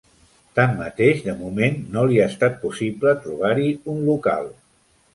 Tanmateix, de moment no li ha estat possible trobar-hi un local.